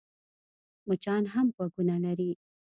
مچان هم غوږونه لري .